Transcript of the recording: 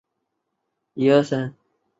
预计在有效寿命阶段有多少次保修索赔？